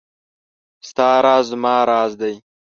ستا راز زما راز دی .